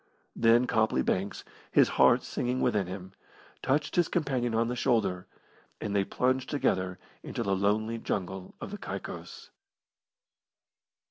Then Copley Banks, his heart singing within him, touched his companion upon the shoulder, and they plunged together into the lonely jungle of the Caicos.